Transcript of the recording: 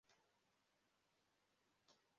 Abakuze hamwe nabana bakonje kuruhande rwinyanja